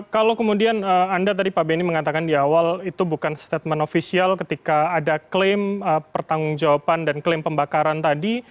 kalau kemudian anda tadi pak benny mengatakan di awal itu bukan statement ofisial ketika ada klaim pertanggung jawaban dan klaim pembakaran tadi